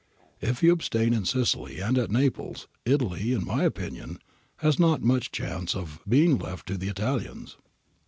If you abstain in Sicily and at Naples, Italy, in my opinion, has not much chance of being left to the Italians.'